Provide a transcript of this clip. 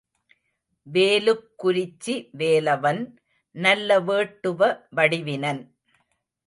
வேலுக்குரிச்சி வேலவன் நல்ல வேட்டுவ வடிவினன்.